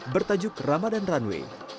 bertajuk ramadan runway